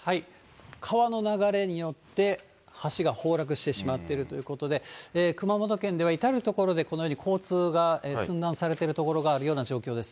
川の流れによって、橋が崩落してしまっているということで、熊本県では、至る所でこのように交通が寸断されてる所があるような状況です。